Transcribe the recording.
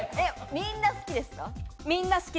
みんな好きです。